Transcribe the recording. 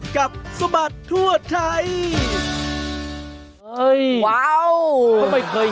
กับสมัติทั่วไทย